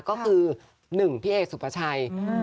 ก็คือ๑พี่เอสุภาชัย